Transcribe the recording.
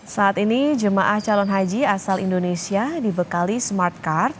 saat ini jemaah calon haji asal indonesia dibekali smart card